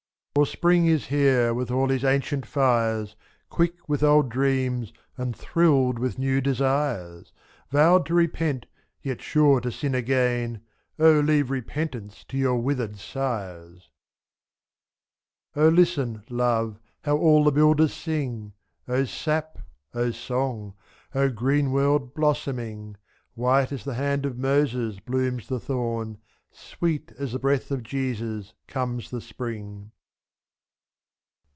For spring is here, with all his ancient fires, Quick with old dreams, and thrilled with new desires ; 4^ Vowed to repent, yet sure to sin again — O leave repentance to your withered sires! O listen, love, how all the builders sing ! O sap ! O song ! O green world blossoming !^« White as the hand of Moses blooms the thorn. Sweet as the breath of Jesus comes the spring.